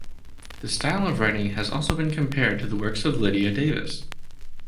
The style of writing has also been compared to the works of Lydia Davis.